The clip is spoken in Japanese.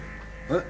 え？